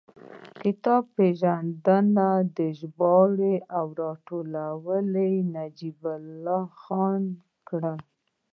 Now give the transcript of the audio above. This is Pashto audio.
کتاب پېژندنه ده، ژباړه او راټولونه یې نجیب الله خان کړې.